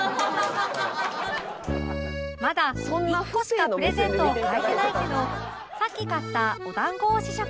まだ１個しかプレゼントを買えてないけどさっき買ったお団子を試食